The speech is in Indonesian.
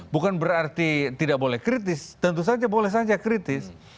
bukan berarti tidak boleh kritis tentu saja boleh saja kritis